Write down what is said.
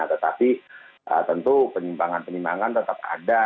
tetapi tentu penyimpangan penimbangan tetap ada